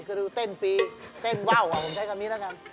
ก็ดูเต้นฟรีเต้นเว้าเอาผมใช้คำนี้นะครับ